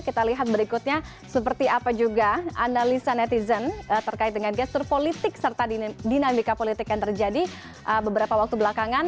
kita lihat berikutnya seperti apa juga analisa netizen terkait dengan gestur politik serta dinamika politik yang terjadi beberapa waktu belakangan